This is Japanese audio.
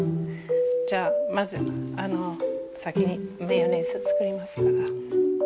じゃあまず先にマヨネーズ作りますから。